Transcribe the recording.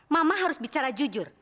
mama harus bicara jujur